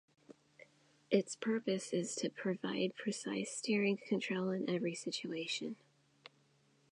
Its purpose is to provide precise steering control in every situation.